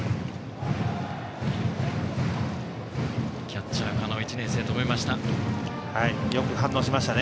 キャッチャー、加納１年生、止めました。